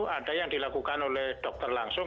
ada yang dilakukan oleh dokter langsung